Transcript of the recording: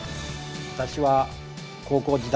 私は高校時代